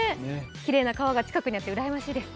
きれいな川が近くにあってうらやましいです。